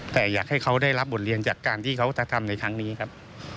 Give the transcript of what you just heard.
แต่อยากให้เขาได้รับบทเรียนจากการที่เขากระทำในครั้งนี้ครับ